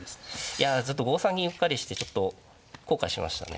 いやちょっと５三銀うっかりしてちょっと後悔しましたね。